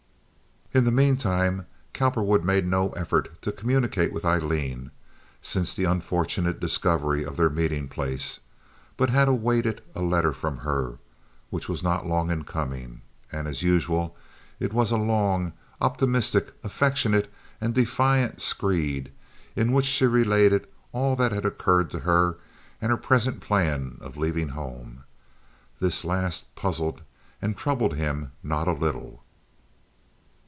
In the meantime Cowperwood made no effort to communicate with Aileen since the unfortunate discovery of their meeting place, but had awaited a letter from her, which was not long in coming. And, as usual, it was a long, optimistic, affectionate, and defiant screed in which she related all that had occurred to her and her present plan of leaving home. This last puzzled and troubled him not a little.